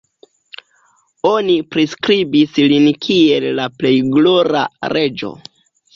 Oni priskribis lin kiel la plej glora reĝo.